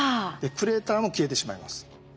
クレーターも消えてしまいます。